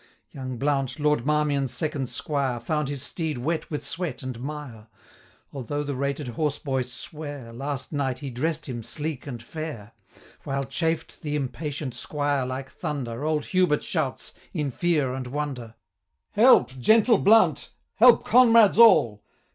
Young Blount, Lord Marmion's second squire, 15 Found his steed wet with sweat and mire; Although the rated horse boy sware, Last night he dress'd him sleek and fair. While chafed the impatient squire like thunder, Old Hubert shouts, in fear and wonder, 20 'Help, gentle Blount! help, comrades all!